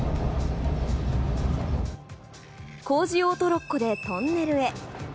工事用トロッコでトンネルへ。